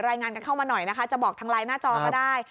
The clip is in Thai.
รายงานกันเข้ามาหน่อยนะคะจะบอกทางไลน์หน้าจอก็ได้